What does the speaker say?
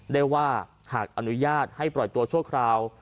ได้ว่าหากอนุญาตให้ปล่อยตัวชั่วคราว